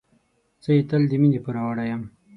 زه یې تل د مینې پوروړی یم.